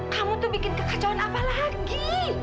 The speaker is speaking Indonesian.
kamu tuh bikin kekacauan apa lagi